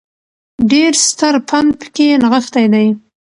ډېر ستر پند په کې نغښتی دی